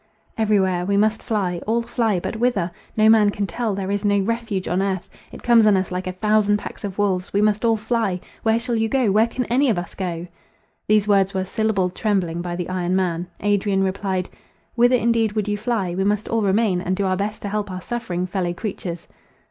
—"Every where—we must fly—all fly—but whither? No man can tell—there is no refuge on earth, it comes on us like a thousand packs of wolves—we must all fly—where shall you go? Where can any of us go?" These words were syllabled trembling by the iron man. Adrian replied, "Whither indeed would you fly? We must all remain; and do our best to help our suffering fellow creatures."